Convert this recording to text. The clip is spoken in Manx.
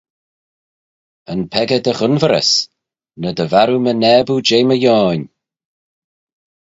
Yn peccah dy ghunverys, ny dy varroo my naboo jeh my yoin.